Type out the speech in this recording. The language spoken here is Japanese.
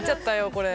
これ。